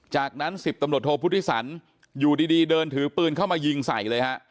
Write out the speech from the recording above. จากนั้น๑๐ตำรวจโทพุทธิสันอยู่ดีเดินถือปืนเข้ามายิงใส่เลยฮะ